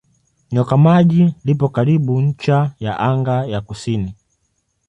Nyoka Maji lipo karibu ncha ya anga ya kusini.